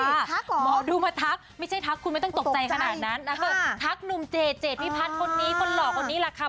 เฮ้ยทักเหรอหมอดูมาทักไม่ใช่ทักคุณไม่ต้องตกใจขนาดนั้นนะค่ะทักหนุ่มเจดเจดพี่พัดคนนี้คนหล่อคนนี้แหละค่ะ